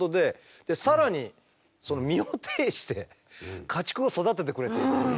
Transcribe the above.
更に身をていして家畜を育ててくれている。